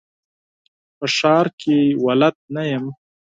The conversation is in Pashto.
په ښار کي بلد نه یم .